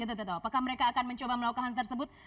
apakah mereka akan mencoba melakukan hal tersebut